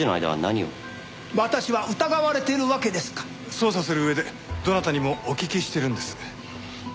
捜査する上でどなたにもお聞きしてるんです。